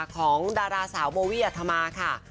ของดาราสาวโมวิยธมาค่ะ